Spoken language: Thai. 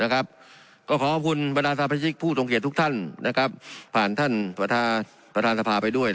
ก็ขอขอบคุณประดานสามชิคผู้ตรงเขตทุกท่านผ่านท่านประธานสภาไปด้วย